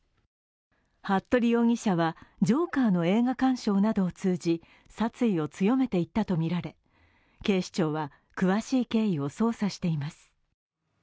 服部容疑者は、「ジョーカー」の映画鑑賞などを通じ殺意を強めていったとみられ警視庁は詳しい経緯を捜査しています。